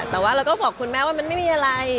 แต่ว่าเราก็บอกคุณแม่ว่ามันไม่มีอะไร